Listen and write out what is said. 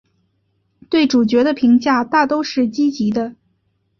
对主角的评价大都是积极的。